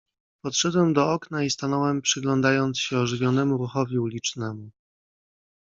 "Podszedłem do okna i stanąłem, przyglądając się ożywionemu ruchowi ulicznemu."